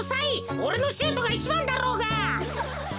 おれのシュートがいちばんだろうが！